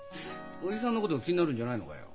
叔父さんのこと気になるんじゃないのかよ？